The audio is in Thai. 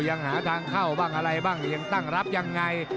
ยังหาทางเข้าบ้างอะไรบ้างยังตั้งรับยังไง